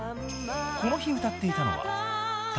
［この日歌っていたのは］